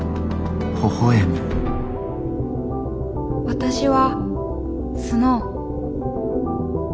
私はスノウ。